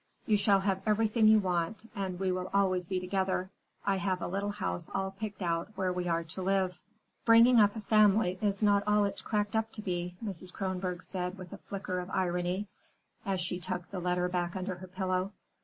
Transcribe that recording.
You shall have everything you want, and we will always be together. I have a little house all picked out where we are to live." "Bringing up a family is not all it's cracked up to be," said Mrs. Kronborg with a flicker of irony, as she tucked the letter back under her pillow.